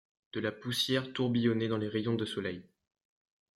De la poussière tourbillonnait dans les rayons de soleil.